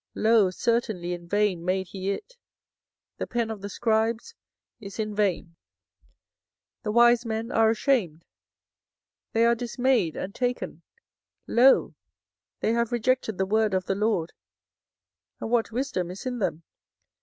Lo, certainly in vain made he it; the pen of the scribes is in vain. 24:008:009 The wise men are ashamed, they are dismayed and taken: lo, they have rejected the word of the LORD; and what wisdom is in them?